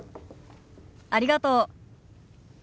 ありがとう。